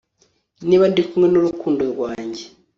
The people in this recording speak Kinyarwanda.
Niba ndi kumwe nurukundo rwanjye